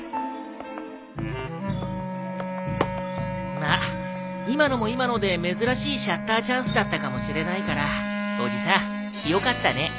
まあ今のも今ので珍しいシャッターチャンスだったかもしれないからおじさんよかったね。